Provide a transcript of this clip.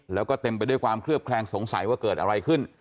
แล้วก็เต็มไปด้วยความเคลือบแคลงสงสัยว่าเกิดอะไรขึ้น